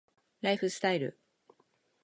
ライフスタイル